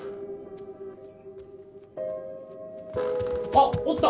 あっおった。